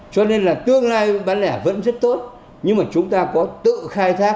cho nên là tương lai bán lẻ vẫn rất tốt nhưng mà chúng ta có tự khai thác